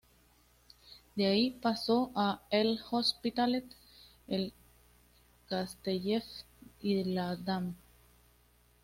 De ahí pasó a L'Hospitalet, el Castelldefels y la Damm.